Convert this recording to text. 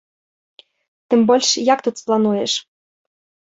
Тым больш, як тут сплануеш?